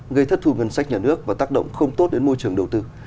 gây thất thù ngân sách nhà nước và tác động không tốt đến môi trường đầu tư